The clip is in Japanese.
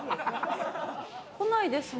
来ないですね。